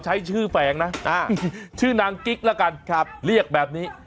ใช้ชื่อแฝงนะชื่อนางกิ๊กแล้วกันเรียกแบบนี้